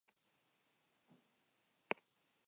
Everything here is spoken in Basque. Baina badira justu aurkakoa diotenak.